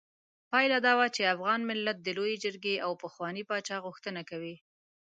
پايله دا وه چې افغان ملت د لویې جرګې او پخواني پاچا غوښتنه کوي.